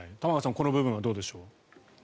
この部分はどうでしょう。